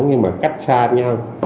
nhưng mà cách đi về là đúng